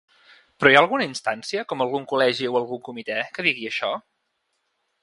Però hi ha alguna instància, com algun col·legi o algun comitè, que digui això?